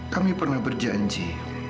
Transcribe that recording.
kami pernah berjanji